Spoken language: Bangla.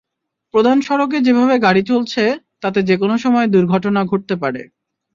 প্রধান সড়কে যেভাবে গাড়ি চলছে, তাতে যেকোনো সময় দুর্ঘটনা ঘটতে পারে।